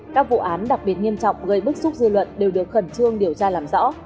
các vụ án đặc biệt nghiêm trọng gây bức xúc dư luận đều được khẩn trương điều tra làm rõ